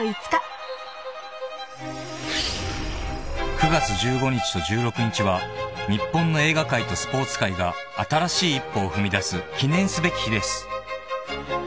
［９月１５日と１６日は日本の映画界とスポーツ界が新しい一歩を踏みだす記念すべき日です］